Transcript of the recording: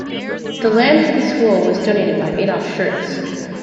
The land for the school was donated by Adolph Schertz.